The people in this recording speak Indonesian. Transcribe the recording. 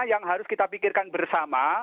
yang harus kita pikirkan bersama